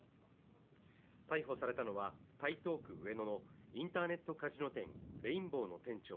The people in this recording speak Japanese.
逮捕されたのは台東区上野のインターネットカジノ店レインボーの店長